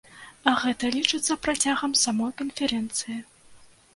Гэта лічыцца працягам самой канферэнцыі.